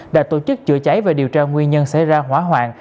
đã tổ chức chữa cháy và điều tra nguyên nhân xảy ra hỏa hoạn